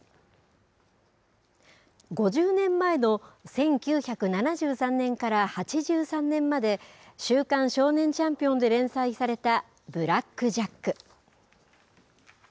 ５０年前の１９７３年から８３年まで、週刊少年チャンピオンで連載されたブラック・ジャック。